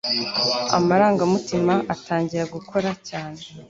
amarangamutima atangira gukora cyane